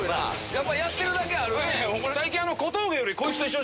やっぱやってるだけあるね！